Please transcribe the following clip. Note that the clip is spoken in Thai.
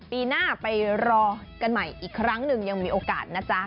ปีหน้าไปรอกันใหม่อีกครั้งหนึ่งยังมีโอกาสนะจ๊ะ